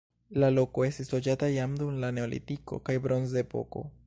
La loko estis loĝata jam dum la neolitiko kaj bronzepoko.